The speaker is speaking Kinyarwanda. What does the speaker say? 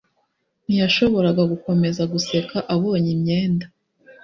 ntiyashoboraga gukomeza guseka abonye imyenda